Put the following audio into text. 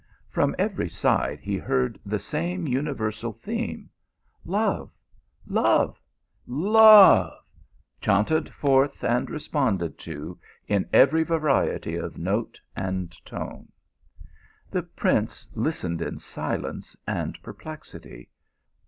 From every side he heard the same universal theme love love love chaunted forth and responded to in every variety of note and tone. The prince listened in silence and perplexity.